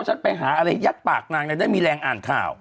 ฉันไปหาอะไรยักษ์ปากนางแน่น่าจะมีแรงอ่านข่าว